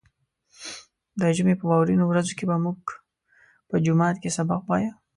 د ژمي په واورينو ورځو کې به موږ په جومات کې سبق وايه.